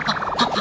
pak pak pak